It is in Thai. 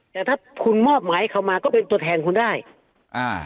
แต่ถ้าคุณมอบหมายเขามาก็เป็นตัวแทนคุณได้อ่า